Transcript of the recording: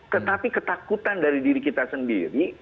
tetapi ketakutan dari diri kita sendiri